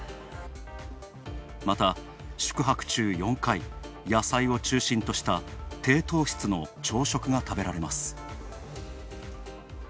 また、宿泊中４回野菜を中心とした低糖質の朝食が食べられます。